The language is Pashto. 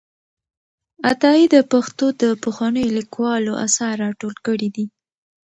عطایي د پښتو د پخوانیو لیکوالو آثار راټول کړي دي.